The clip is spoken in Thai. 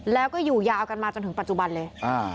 แล้วก็อยู่ยาวกันมาจนถึงปัจจุบันเลย